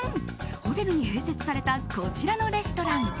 ホテルに併設されたこちらのレストラン。